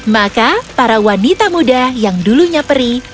maka para wanita muda yang dulunya peri